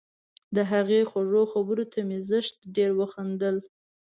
د هغې خوږو خبرو ته مې زښت ډېر وخندل